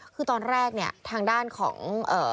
คือตอนแรกเนี่ยทางด้านของเอ่อ